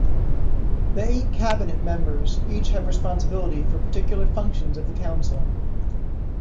The eight cabinet members each have responsibility for particular functions of the council.